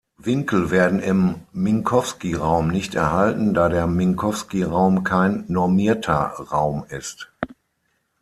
Winkel werden im Minkowskiraum nicht erhalten, da der Minkowskiraum kein normierter Raum ist.